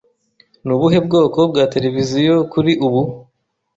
Ni ubuhe bwoko bwa televiziyo kuri ubu?